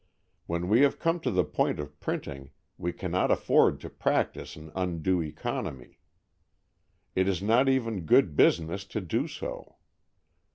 When we have come to the point of printing, we cannot afford to practice an undue economy. It is not even "good business" to do so.